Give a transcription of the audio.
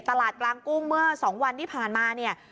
ตลาดกลางกุ้งเมื่อ๒วันที่ผ่านมาเนี่ย